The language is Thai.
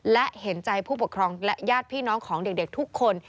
และเห็นใจผู้ปกครองและญาติพี่น้องของเด็กทุกคน